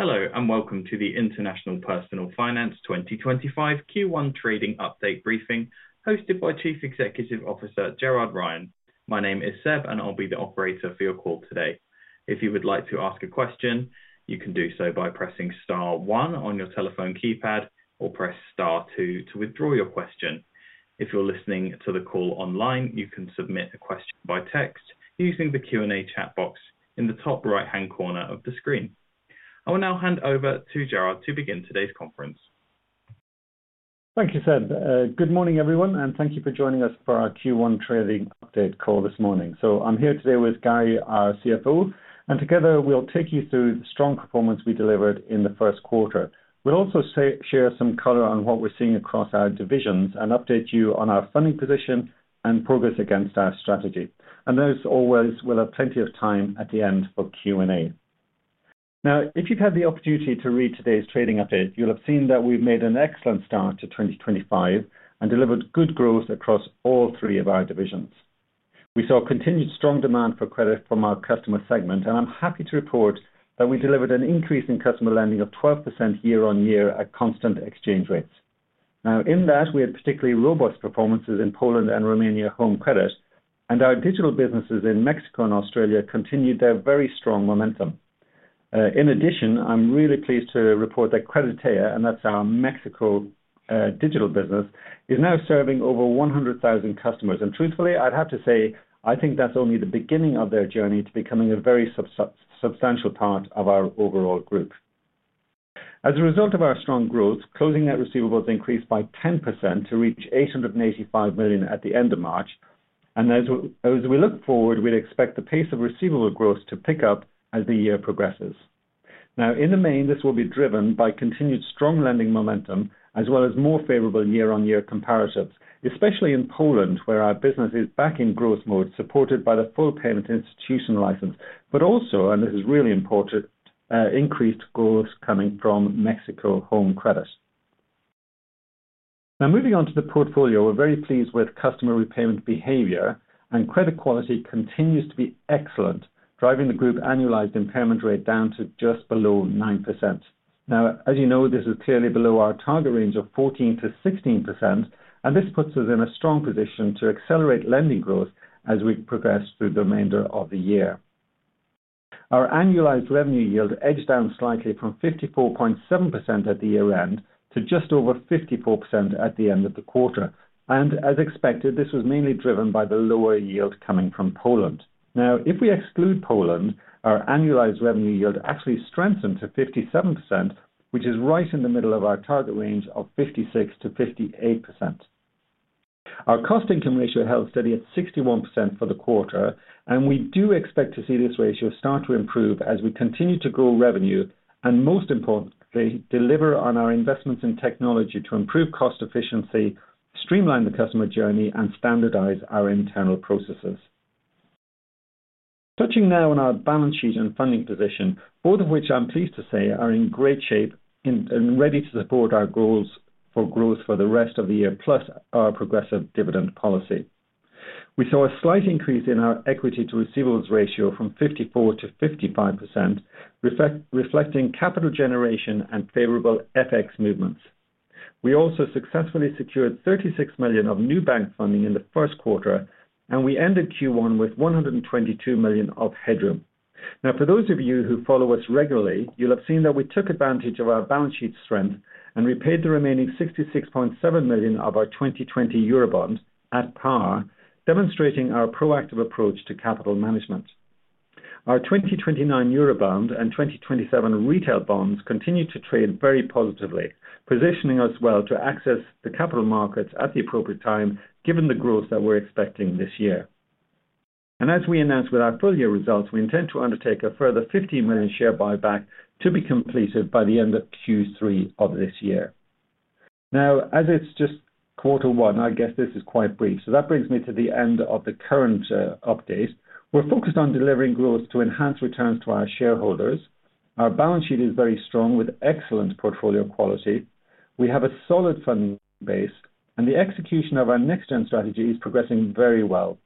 Hello and welcome to the International Personal Finance 2025 Q1 Trading Update Briefing, hosted by Chief Executive Officer Gerard Ryan. My name is Seb, and I'll be the operator for your call today. If you would like to ask a question, you can do so by pressing star one on your telephone keypad or press star two to withdraw your question. If you're listening to the call online, you can submit a question by text using the Q&A chat box in the top right-hand corner of the screen. I will now hand over to Gerard to begin today's conference. Thank you, Seb. Good morning, everyone, and thank you for joining us for our Q1 Trading Update call this morning. I am here today with Gary, our CFO, and together we will take you through the strong performance we delivered in the first quarter. We will also share some color on what we are seeing across our divisions and update you on our funding position and progress against our strategy. As always, we will have plenty of time at the end for Q&A. If you have had the opportunity to read today's trading update, you will have seen that we have made an excellent start to 2025 and delivered good growth across all three of our divisions. We saw continued strong demand for credit from our customer segment, and I am happy to report that we delivered an increase in customer lending of 12% year-on-year at constant exchange rates. Now, in that, we had particularly robust performances in Poland and Romania home credit, and our digital businesses in Mexico and Australia continued their very strong momentum. In addition, I'm really pleased to report that Creditea, and that's our Mexico digital business, is now serving over 100,000 customers. And truthfully, I'd have to say I think that's only the beginning of their journey to becoming a very substantial part of our overall group. As a result of our strong growth, closing net receivables increased by 10% to reach 885 million at the end of March. As we look forward, we'd expect the pace of receivable growth to pick up as the year progresses. Now, in the main, this will be driven by continued strong lending momentum as well as more favorable year-on-year comparatives, especially in Poland, where our business is back in growth mode, supported by the full payment institution license, but also, and this is really important, increased growth coming from Mexico home credit. Now, moving on to the portfolio, we're very pleased with customer repayment behavior, and credit quality continues to be excellent, driving the group annualized impairment rate down to just below 9%. Now, as you know, this is clearly below our target range of 14%-16%, and this puts us in a strong position to accelerate lending growth as we progress through the remainder of the year. Our annualized revenue yield edged down slightly from 54.7% at the year end to just over 54% at the end of the quarter. As expected, this was mainly driven by the lower yield coming from Poland. Now, if we exclude Poland, our annualized revenue yield actually strengthened to 57%, which is right in the middle of our target range of 56%-58%. Our cost-income ratio held steady at 61% for the quarter, and we do expect to see this ratio start to improve as we continue to grow revenue and, most importantly, deliver on our investments in technology to improve cost efficiency, streamline the customer journey, and standardize our internal processes. Touching now on our balance sheet and funding position, both of which I'm pleased to say are in great shape and ready to support our goals for growth for the rest of the year, plus our progressive dividend policy. We saw a slight increase in our equity-to-receivables ratio from 54%-55%, reflecting capital generation and favorable FX movements. We also successfully secured 36 million of new bank funding in the first quarter, and we ended Q1 with 122 million of headroom. Now, for those of you who follow us regularly, you'll have seen that we took advantage of our balance sheet strength and repaid the remaining 66.7 million of our 2020 Eurobond at par, demonstrating our proactive approach to capital management. Our 2029 Eurobond and 2027 retail bonds continue to trade very positively, positioning us well to access the capital markets at the appropriate time, given the growth that we're expecting this year. As we announced with our full year results, we intend to undertake a further 15 million share buyback to be completed by the end of Q3 of this year. Now, as it's just quarter one, I guess this is quite brief. That brings me to the end of the current update. We're focused on delivering growth to enhance returns to our shareholders. Our balance sheet is very strong with excellent portfolio quality. We have a solid funding base, and the execution of our next-gen strategy is progressing very well.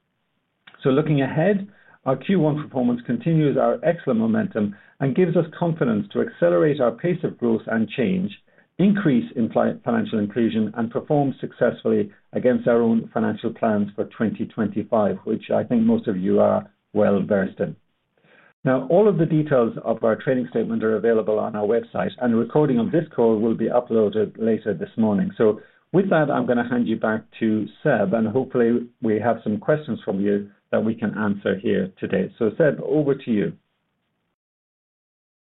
Looking ahead, our Q1 performance continues our excellent momentum and gives us confidence to accelerate our pace of growth and change, increase in financial inclusion, and perform successfully against our own financial plans for 2025, which I think most of you are well versed in. All of the details of our trading statement are available on our website, and a recording of this call will be uploaded later this morning. With that, I'm going to hand you back to Seb, and hopefully we have some questions from you that we can answer here today. Seb, over to you.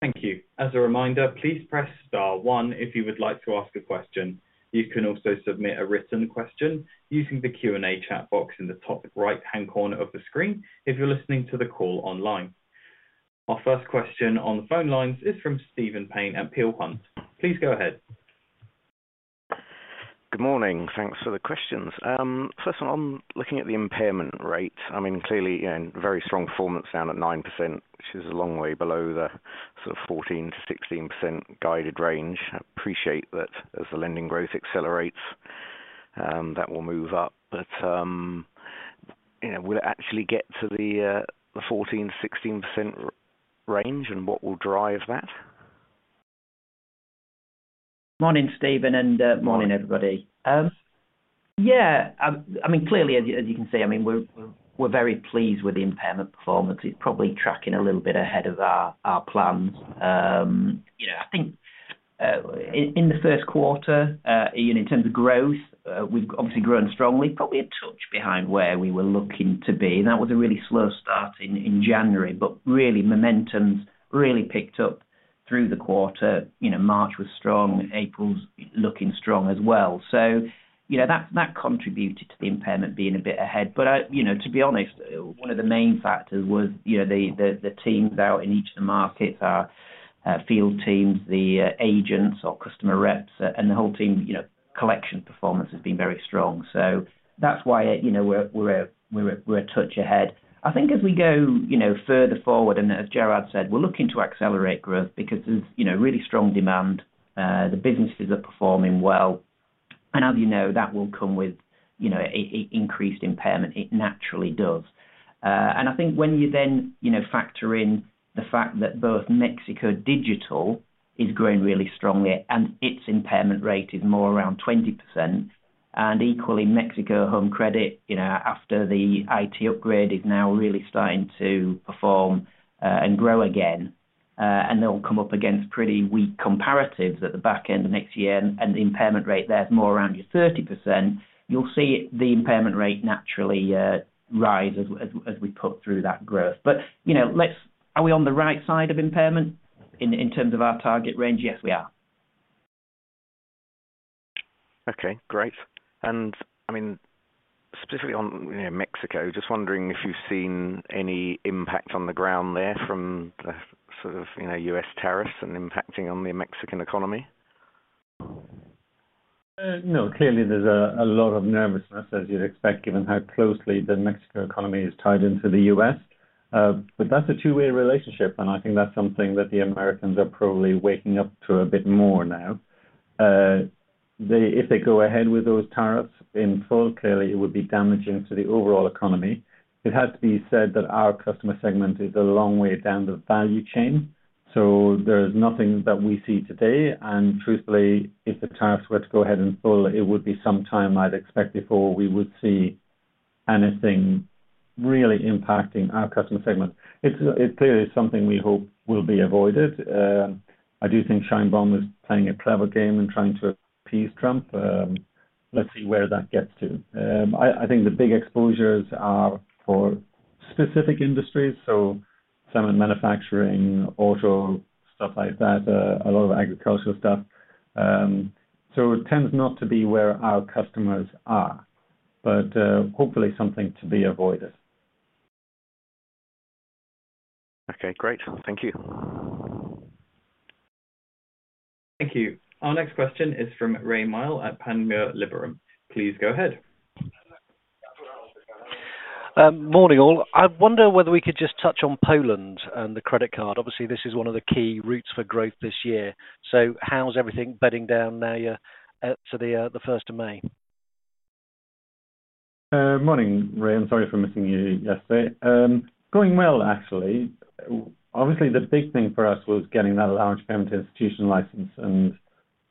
Thank you. As a reminder, please press star one if you would like to ask a question. You can also submit a written question using the Q&A chat box in the top right-hand corner of the screen if you're listening to the call online. Our first question on the phone lines is from Stephen Payne at Peel Hunt. Please go ahead. Good morning. Thanks for the questions. First of all, I'm looking at the impairment rate. I mean, clearly, very strong performance down at 9%, which is a long way below the sort of 14%-16% guided range. I appreciate that as the lending growth accelerates, that will move up. But will it actually get to the 14%-16% range, and what will drive that? Morning, Steven, and morning, everybody. Yeah, I mean, clearly, as you can see, I mean, we're very pleased with the impairment performance. It's probably tracking a little bit ahead of our plans. I think in the first quarter, in terms of growth, we've obviously grown strongly, probably a touch behind where we were looking to be. That was a really slow start in January, but really momentum's really picked up through the quarter. March was strong. April's looking strong as well. That contributed to the impairment being a bit ahead. To be honest, one of the main factors was the teams out in each of the markets, our field teams, the agents or customer reps, and the whole team collection performance has been very strong. That's why we're a touch ahead. I think as we go further forward, and as Gerard said, we're looking to accelerate growth because there's really strong demand. The businesses are performing well. And as you know, that will come with increased impairment. It naturally does. I think when you then factor in the fact that both Mexico digital is growing really strongly and its impairment rate is more around 20%, and equally, Mexico home credit after the IT upgrade is now really starting to perform and grow again, and they'll come up against pretty weak comparatives at the back end of next year, and the impairment rate there is more around your 30%, you'll see the impairment rate naturally rise as we put through that growth. But are we on the right side of impairment in terms of our target range? Yes, we are. Okay, great. I mean, specifically on Mexico, just wondering if you've seen any impact on the ground there from the sort of U.S. tariffs and impacting on the Mexican economy? No, clearly, there's a lot of nervousness, as you'd expect, given how closely the Mexican economy is tied into the U.S. That is a two-way relationship, and I think that's something that the Americans are probably waking up to a bit more now. If they go ahead with those tariffs in full, clearly, it would be damaging to the overall economy. It has to be said that our customer segment is a long way down the value chain. There is nothing that we see today. Truthfully, if the tariffs were to go ahead in full, it would be some time I would expect before we would see anything really impacting our customer segment. It is clearly something we hope will be avoided. I do think Sheinbaum is playing a clever game in trying to appease Trump. Let's see where that gets to. I think the big exposures are for specific industries, so cement manufacturing, auto, stuff like that, a lot of agricultural stuff. It tends not to be where our customers are, but hopefully something to be avoided. Okay, great. Thank you. Thank you. Our next question is from Rae Maile at Panmure Liberum. Please go ahead. Morning, all. I wonder whether we could just touch on Poland and the credit card. Obviously, this is one of the key routes for growth this year. How's everything bedding down now to the 1st of May? Morning, Ray. I'm sorry for missing you yesterday. Going well, actually. Obviously, the big thing for us was getting that large payment institution license and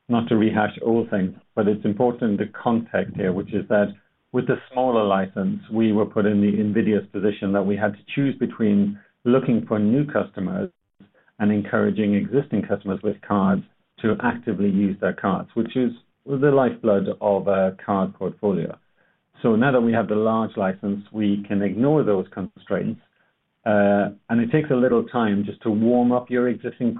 not to rehash all things, but it's important to context here, which is that with the smaller license, we were put in the invidious position that we had to choose between looking for new customers and encouraging existing customers with cards to actively use their cards, which is the lifeblood of a card portfolio. Now that we have the large license, we can ignore those constraints, and it takes a little time just to warm up your existing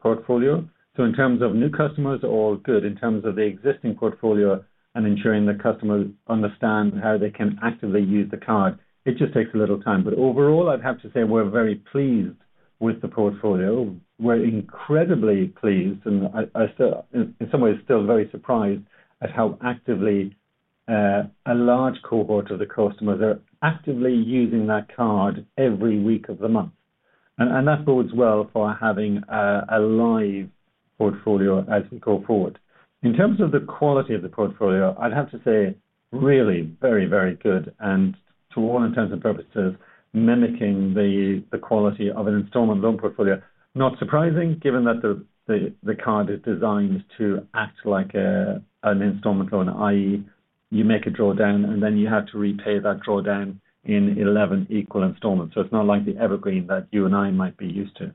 portfolio. In terms of new customers, all good. In terms of the existing portfolio and ensuring the customers understand how they can actively use the card, it just takes a little time. Overall, I'd have to say we're very pleased with the portfolio. We're incredibly pleased, and in some ways, still very surprised at how actively a large cohort of the customers are actively using that card every week of the month. That bodes well for having a live portfolio as we go forward. In terms of the quality of the portfolio, I'd have to say really very, very good. To all intents and purposes, mimicking the quality of an installment loan portfolio, not surprising, given that the card is designed to act like an installment loan, i.e., you make a drawdown, and then you have to repay that drawdown in 11 equal installments. It is not like the evergreen that you and I might be used to.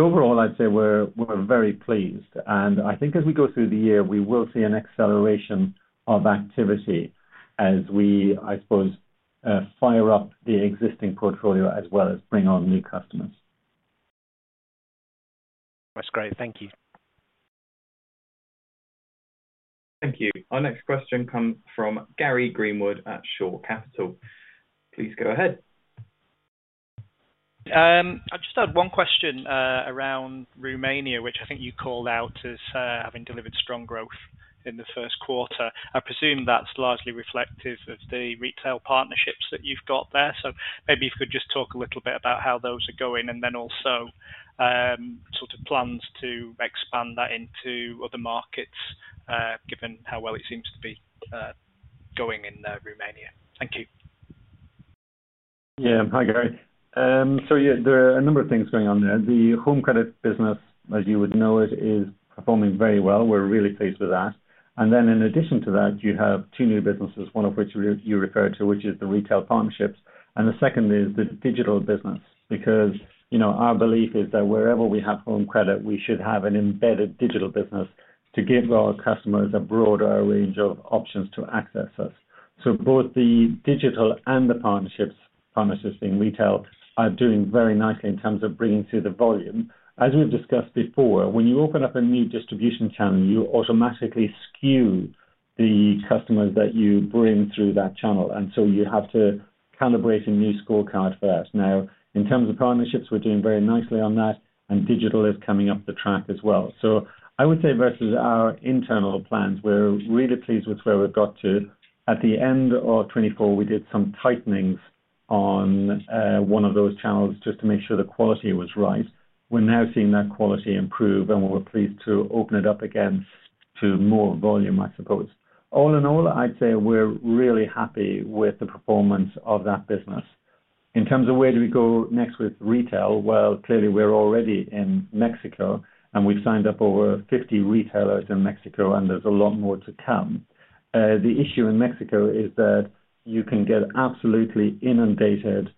Overall, I'd say we're very pleased. I think as we go through the year, we will see an acceleration of activity as we, I suppose, fire up the existing portfolio as well as bring on new customers. That's great. Thank you. Thank you. Our next question comes from Gary Greenwood at Shore Capital. Please go ahead. I just had one question around Romania, which I think you called out as having delivered strong growth in the first quarter. I presume that's largely reflective of the retail partnerships that you've got there. Maybe if you could just talk a little bit about how those are going and then also sort of plans to expand that into other markets, given how well it seems to be going in Romania. Thank you. Yeah, hi, Gary. Yeah, there are a number of things going on there. The home credit business, as you would know it, is performing very well. We're really pleased with that. In addition to that, you have two new businesses, one of which you referred to, which is the retail partnerships. The second is the digital business because our belief is that wherever we have home credit, we should have an embedded digital business to give our customers a broader range of options to access us. Both the digital and the partnerships, partnerships being retail, are doing very nicely in terms of bringing through the volume. As we've discussed before, when you open up a new distribution channel, you automatically skew the customers that you bring through that channel. You have to calibrate a new scorecard first. Now, in terms of partnerships, we're doing very nicely on that, and digital is coming up the track as well. I would say versus our internal plans, we're really pleased with where we've got to. At the end of 2024, we did some tightenings on one of those channels just to make sure the quality was right. We're now seeing that quality improve, and we're pleased to open it up again to more volume, I suppose. All in all, I'd say we're really happy with the performance of that business. In terms of where do we go next with retail, we're already in Mexico, and we've signed up over 50 retailers in Mexico, and there's a lot more to come. The issue in Mexico is that you can get absolutely inundated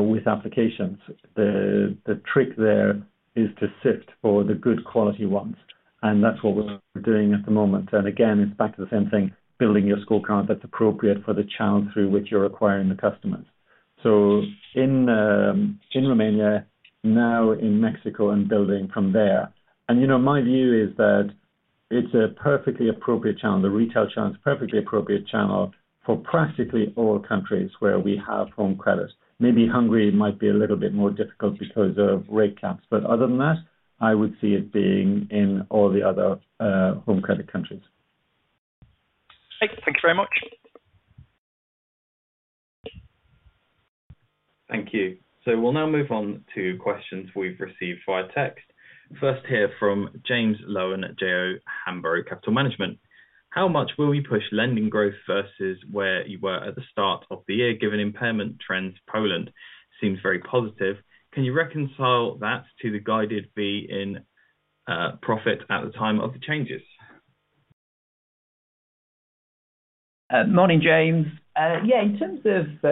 with applications. The trick there is to sift for the good quality ones. That's what we're doing at the moment. Again, it's back to the same thing, building your scorecard that's appropriate for the channel through which you're acquiring the customers. In Romania, now in Mexico and building from there. My view is that it's a perfectly appropriate channel, a retail channel, it's a perfectly appropriate channel for practically all countries where we have home credit. Maybe Hungary might be a little bit more difficult because of rate caps. Other than that, I would see it being in all the other home credit countries. Thank you very much. Thank you. We will now move on to questions we have received via text. First here from James Lowen at J O Hambro Capital Management. How much will we push lending growth versus where you were at the start of the year, given impairment trends? Poland seems very positive. Can you reconcile that to the guided [V] in profit at the time of the changes? Morning, James. Yeah, in terms of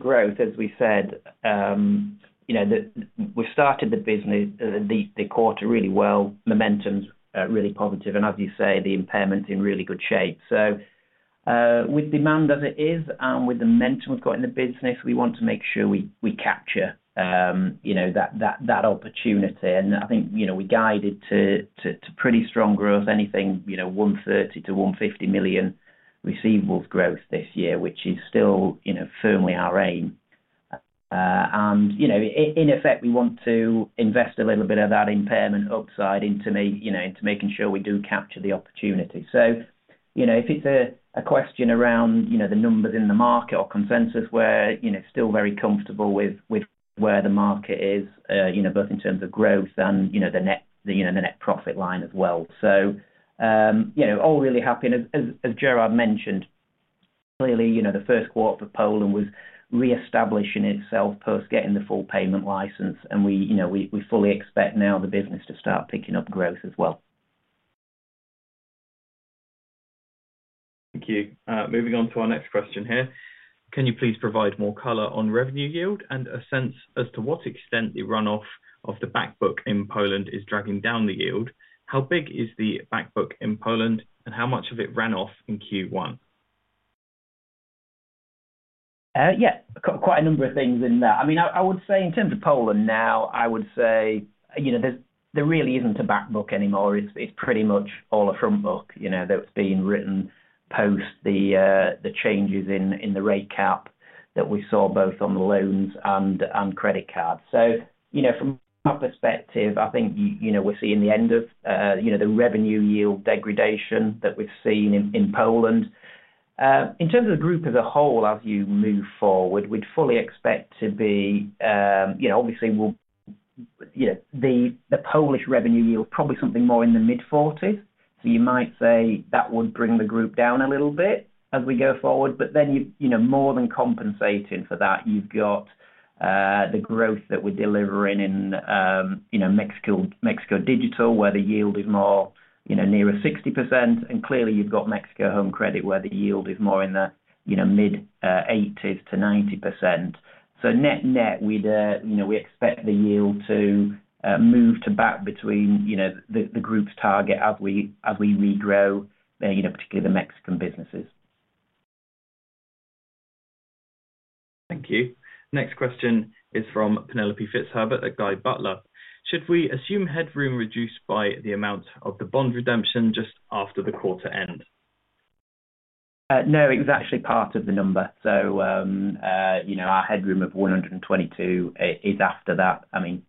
growth, as we said, we've started the quarter really well, momentum's really positive, and as you say, the impairment's in really good shape. With demand as it is and with the momentum we've got in the business, we want to make sure we capture that opportunity. I think we guided to pretty strong growth, anything 130-150 million receivables growth this year, which is still firmly our aim. In effect, we want to invest a little bit of that impairment upside into making sure we do capture the opportunity. If it's a question around the numbers in the market or consensus, we're still very comfortable with where the market is, both in terms of growth and the net profit line as well. All really happy. As Gerard mentioned, clearly, the first quarter for Poland was reestablishing itself post getting the full payment license, and we fully expect now the business to start picking up growth as well. Thank you. Moving on to our next question here. Can you please provide more color on revenue yield and a sense as to what extent the runoff of the backbook in Poland is dragging down the yield? How big is the backbook in Poland, and how much of it ran off in Q1? Yeah, quite a number of things in there. I mean, I would say in terms of Poland now, I would say there really isn't a backbook anymore. It's pretty much all a frontbook that's being written post the changes in the rate cap that we saw both on loans and credit cards. From our perspective, I think we're seeing the end of the revenue yield degradation that we've seen in Poland. In terms of the group as a whole, as you move forward, we'd fully expect to be, obviously, the Polish revenue yield, probably something more in the mid 40s. You might say that would bring the group down a little bit as we go forward. More than compensating for that, you've got the growth that we're delivering in Mexico digital, where the yield is more near a 60%. You have got Mexico home credit, where the yield is more in the mid 80%-90%. Net net, we expect the yield to move to about between the group's target as we regrow, particularly the Mexican businesses. Thank you. Next question is from Penelope Fitzherbert at Guy Butler. Should we assume headroom reduced by the amount of the bond redemption just after the quarter end? No, it was actually part of the number. Our headroom of 122 million is after that. I mean,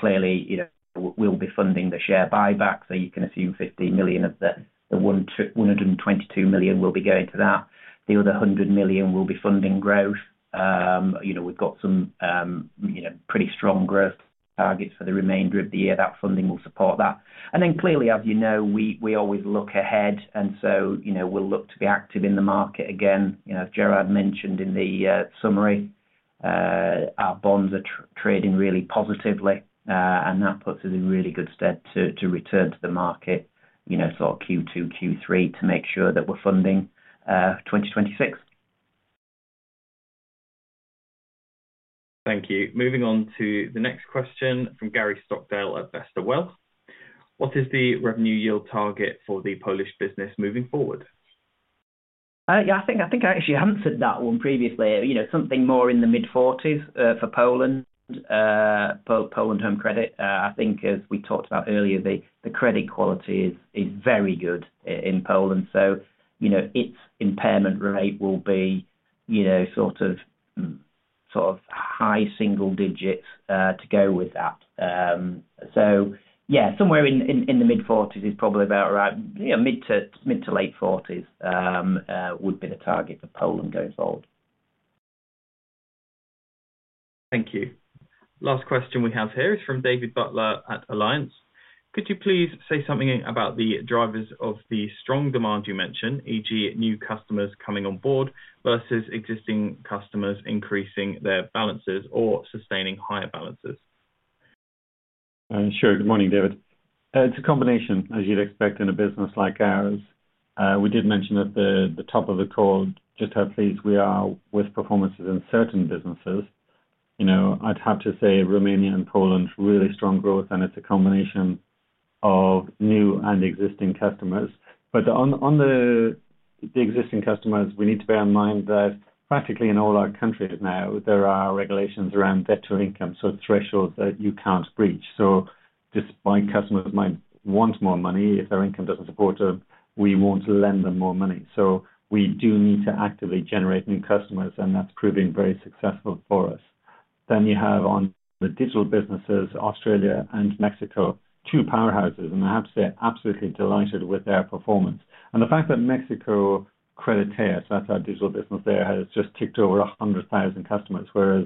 clearly, we'll be funding the share buyback. You can assume 15 million of the 122 million will be going to that. The other 100 million will be funding growth. We've got some pretty strong growth targets for the remainder of the year. That funding will support that. Clearly, as you know, we always look ahead. We will look to be active in the market again. As Gerard mentioned in the summary, our bonds are trading really positively, and that puts us in really good stead to return to the market, sort of Q2, Q3, to make sure that we're funding 2026. Thank you. Moving on to the next question from Gary Stockdale at Vesta Wealth. What is the revenue yield target for the Polish business moving forward? Yeah, I think I actually answered that one previously. Something more in the mid 40s for Poland, Poland home credit. I think, as we talked about earlier, the credit quality is very good in Poland. Its impairment rate will be sort of high single digits to go with that. Yeah, somewhere in the mid 40s is probably about right. Mid to late 40s would be the target for Poland going forward. Thank you. Last question we have here is from David Butler at Alliance. Could you please say something about the drivers of the strong demand you mentioned, e.g., new customers coming on board versus existing customers increasing their balances or sustaining higher balances? Sure. Good morning, David. It's a combination, as you'd expect, in a business like ours. We did mention at the top of the call just how pleased we are with performances in certain businesses. I'd have to say Romania and Poland, really strong growth, and it's a combination of new and existing customers. On the existing customers, we need to bear in mind that practically in all our countries now, there are regulations around debt to income, so thresholds that you can't breach. Despite customers might want more money, if their income doesn't support them, we won't lend them more money. We do need to actively generate new customers, and that's proving very successful for us. You have on the digital businesses, Australia and Mexico, two powerhouses, and I have to say, absolutely delighted with their performance. The fact that Mexico Creditea, that's our digital business there, has just ticked over 100,000 customers, whereas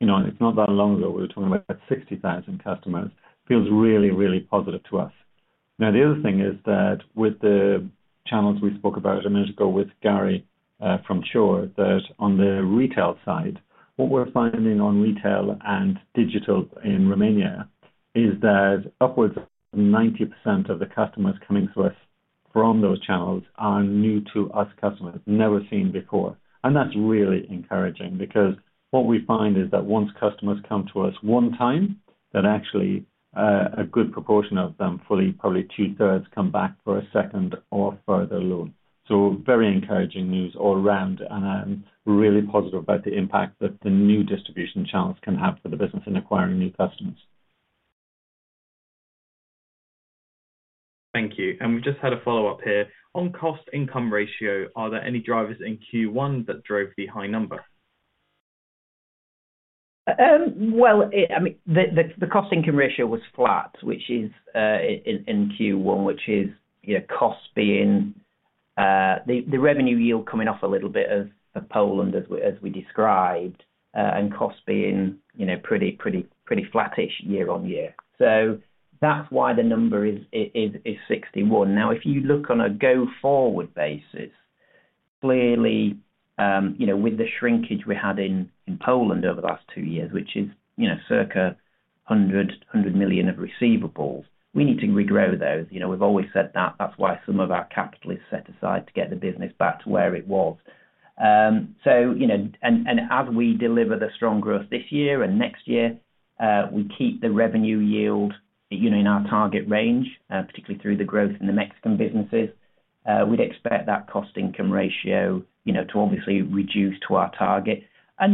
it's not that long ago we were talking about 60,000 customers, feels really, really positive to us. The other thing is that with the channels we spoke about a minute ago with Gary from Shore, on the retail side, what we're finding on retail and digital in Romania is that upwards of 90% of the customers coming to us from those channels are new to us customers, never seen before. That's really encouraging because what we find is that once customers come to us one time, actually a good proportion of them, fully probably 2/3, come back for a second or further loan. Very encouraging news all around, and I'm really positive about the impact that the new distribution channels can have for the business in acquiring new customers. Thank you. We just had a follow-up here. On cost-income ratio, are there any drivers in Q1 that drove the high number? I mean, the cost-income ratio was flat, which is in Q1, which is cost being the revenue yield coming off a little bit of Poland, as we described, and cost being pretty flattish year-on-year. That is why the number is 61%. If you look on a go-forward basis, clearly, with the shrinkage we had in Poland over the last two years, which is circa 100 million of receivables, we need to regrow those. We have always said that. That is why some of our capital is set aside to get the business back to where it was. As we deliver the strong growth this year and next year, we keep the revenue yield in our target range, particularly through the growth in the Mexican businesses. We would expect that cost-income ratio to obviously reduce to our target.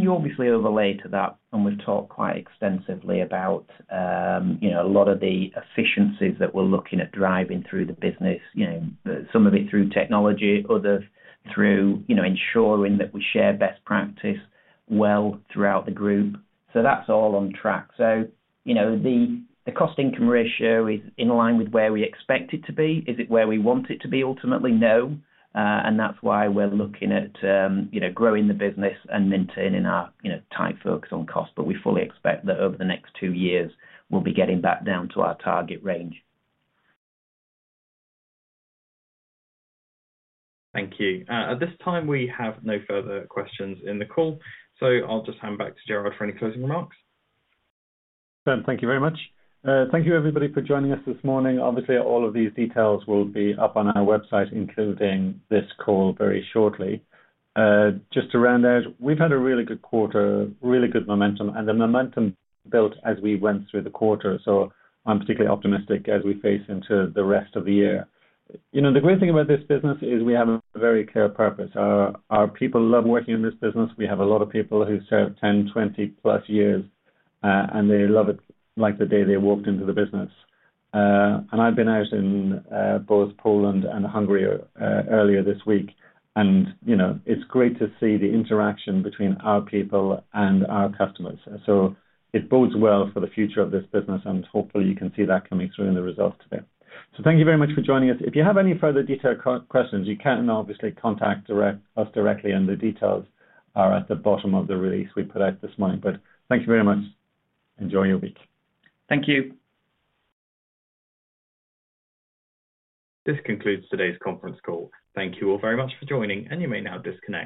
You obviously overlay to that, and we've talked quite extensively about a lot of the efficiencies that we're looking at driving through the business, some of it through technology, others through ensuring that we share best practice well throughout the group. That is all on track. The cost-income ratio is in line with where we expect it to be. Is it where we want it to be ultimately? No. That is why we're looking at growing the business and maintaining our tight focus on cost. We fully expect that over the next two years, we'll be getting back down to our target range. Thank you. At this time, we have no further questions in the call. I'll just hand back to Gerard for any closing remarks. Thank you very much. Thank you, everybody, for joining us this morning. Obviously, all of these details will be up on our website, including this call, very shortly. Just to round out, we've had a really good quarter, really good momentum, and the momentum built as we went through the quarter. I am particularly optimistic as we face into the rest of the year. The great thing about this business is we have a very clear purpose. Our people love working in this business. We have a lot of people who served 10, 20 plus years, and they love it like the day they walked into the business. I have been out in both Poland and Hungary earlier this week, and it is great to see the interaction between our people and our customers. It bodes well for the future of this business, and hopefully, you can see that coming through in the results today. Thank you very much for joining us. If you have any further detailed questions, you can obviously contact us directly, and the details are at the bottom of the release we put out this morning. Thank you very much. Enjoy your week. Thank you. This concludes today's conference call. Thank you all very much for joining, and you may now disconnect.